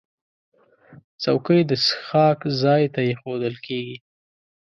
چوکۍ د څښاک ځای ته ایښودل کېږي.